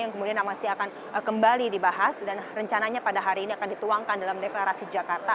yang kemudian masih akan kembali dibahas dan rencananya pada hari ini akan dituangkan dalam deklarasi jakarta